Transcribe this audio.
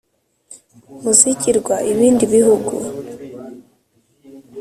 muzigirwa, ibindi bihugu